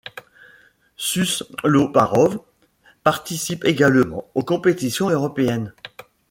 Susloparov participe également aux compétitions européennes.